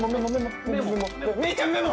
芽依ちゃんメモ！